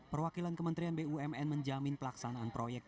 perwakilan kementerian bumn menjamin pelaksanaan proyek